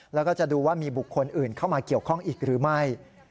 แล้วก็จะดูว่ามีบุคคลอื่นเข้ามาเกี่ยวข้องอีกหรือไม่